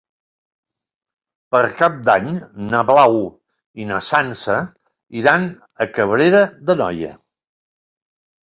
Per Cap d'Any na Blau i na Sança iran a Cabrera d'Anoia.